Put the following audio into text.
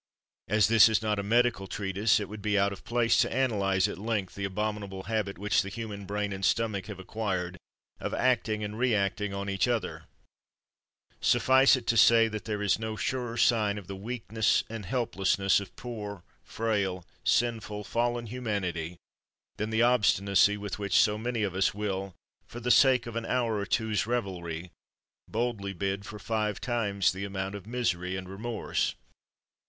As this is not a medical treatise it would be out of place to analyse at length the abominable habit which the human brain and stomach have acquired, of acting and reacting on each other; suffice it to say that there is no surer sign of the weakness and helplessness of poor, frail, sinful, fallen humanity than the obstinacy with which so many of us will, for the sake of an hour or two's revelry, boldly bid for five times the amount of misery and remorse.